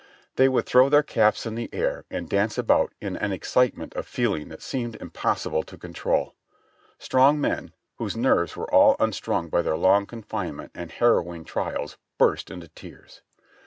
They would throw their caps in the air and dance about in an excitement of feeling that seemed impossible to control. Strong men, whose nerves were all unstrung by their long confinement and harrow ing trials, burst into tears.